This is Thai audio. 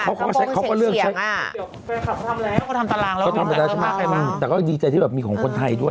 เค้าทำตารางเราใช่ไหมแต่ก็ดีใจที่แบบมีของคนไทยด้วย